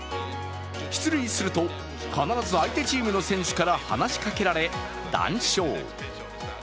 出塁すると、必ず相手チームの選手から話しかけられ、談笑。